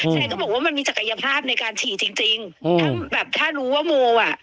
ใช่ก็บอกว่ามันมีศักยภาพในการฉี่จริงจริงอืมถ้าแบบถ้ารู้ว่าโมอ่ะ